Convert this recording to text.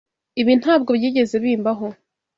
Ibi ntabwo byigeze bimbaho.